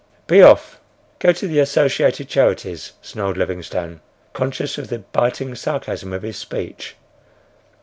"Be off. Go to the Associated Charities," snarled Livingstone, conscious of the biting sarcasm of his speech.